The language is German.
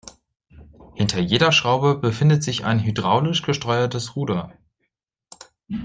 Hinter jeder Schraube befindet sich ein hydraulisch gesteuertes Ruder.